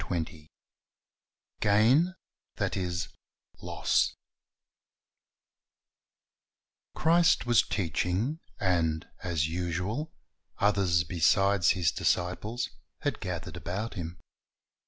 7:2 Gain That Is Loss /'~^HRIST was teaching, and, as usual, others besides His disciples had gathered about Him.